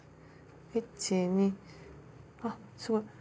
１２あっすごい。